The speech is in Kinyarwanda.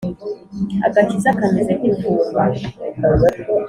Agakiza kameze nk’ ifumba.